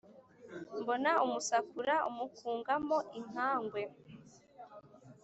Mbona umusakura umukungamo inkagwe